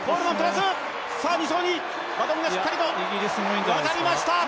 さあ２走にバトンがしっかりと渡りました。